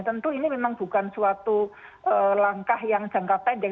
tentu ini memang bukan suatu langkah yang jangka pendek